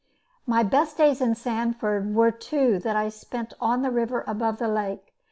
My best days in Sanford were two that I spent on the river above the lake.